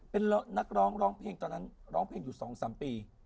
เป็นนักร้องร้องเพลงตอนนั้นร้องเพลงอยู่๒๓ปี